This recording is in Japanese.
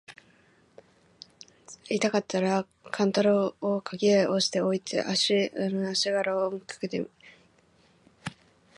痛かつたから勘太郎を垣根へ押しつけて置いて、足搦あしがらをかけて向へ斃してやつた。